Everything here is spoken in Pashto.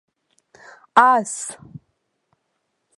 🐎 آس